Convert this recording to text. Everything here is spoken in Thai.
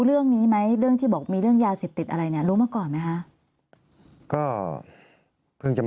เรื่องนี้ไหมเรื่องที่บอกมีเรื่องยาเสพติดอะไรเนี่ยรู้มาก่อนไหมคะก็เพิ่งจะมี